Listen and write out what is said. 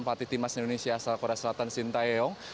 pelatih timnas indonesia asal korea selatan shin taeyong